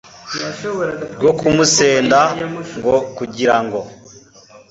rwo kumusenda, ngo kugira ngo